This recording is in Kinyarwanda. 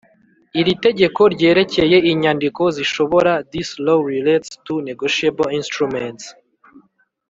Iri tegeko ryerekeye inyandiko zishobora This Law relates to negotiable instruments